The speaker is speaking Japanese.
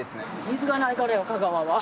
水がないからよ香川は。